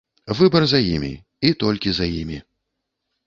Выбар за імі і толькі за імі.